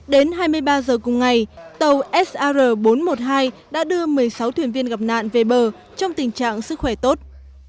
đến hai mươi ba giờ cùng ngày tàu sr bốn trăm một mươi hai đã đưa một mươi sáu thuyền viên gặp nạn về bờ trong tình trạng sức khỏe tốt